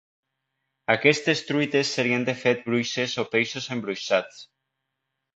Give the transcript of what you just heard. Aquestes truites serien de fet bruixes o peixos embruixats.